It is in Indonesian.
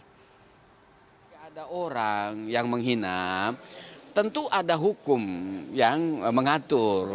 jika ada orang yang menghina tentu ada hukum yang mengatur